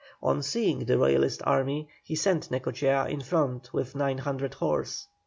On seeing the Royalist army, he sent Necochea in front with 900 horse.